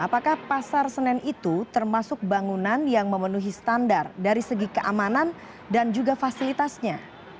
apakah pasar senen itu termasuk bangunan yang memenuhi standar dari segi keamanan dan juga fasilitasnya